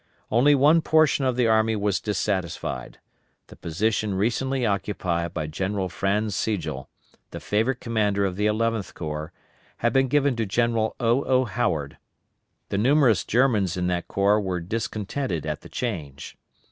Only one portion of the army was dissatisfied; the position recently occupied by General Franz Sigel, the favorite commander of the Eleventh Corps, had been given to General O. O. Howard. The numerous Germans in that corps were discontented at the change.